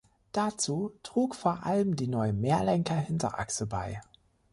Dazu trug vor allem die neue Mehrlenker-Hinterachse bei.